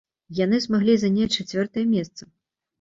Яны змаглі заняць чацвёртае месца.